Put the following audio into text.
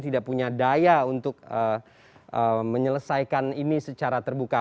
tidak punya daya untuk menyelesaikan ini secara terbuka